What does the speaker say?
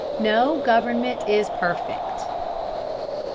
NO GOVERNMENT IS PERFECT.